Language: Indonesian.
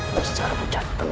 besar bucah tengi